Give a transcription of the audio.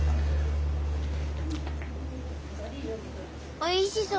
おいしそう。